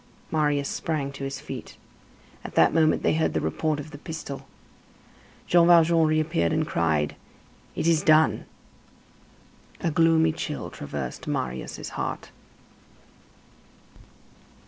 Marius sprang to his feet. At that moment, they heard the report of the pistol. Jean Valjean reappeared and cried: "It is done." A gloomy chill traversed Marius' heart.